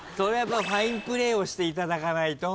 ファインプレーをしていただかないと。